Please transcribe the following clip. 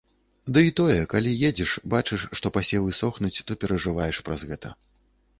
Ды і тое, калі едзеш, бачыш, што пасевы сохнуць, то перажываеш праз гэта.